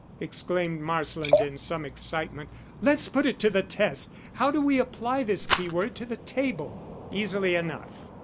exclaimed Marsland, in some excitement. "Let's put it to the test. How do we apply this keyword to the table?" "Easily enough.